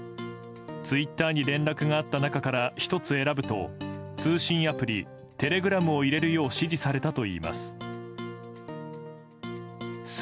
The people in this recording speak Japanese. ツイッターに連絡があった中から１つ選ぶと通信アプリ、テレグラムを入れるよう指示されたといいます。